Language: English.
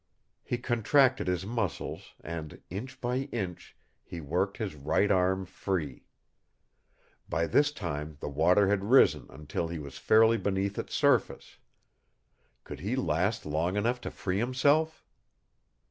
He contracted his muscles and, inch by inch, he worked his right arm free. By this time the water had risen until he was fairly beneath its surface. Could he last long enough to free himself?